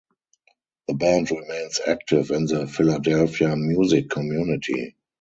The band remains active in the Philadelphia music community.